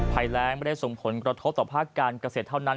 ภัยแรงไม่ได้ส่งผลกระทบต่อภาคการเกษตรเท่านั้น